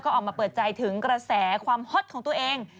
ออกมาเปิดใจถึงกระแสความฮอตของตัวเอง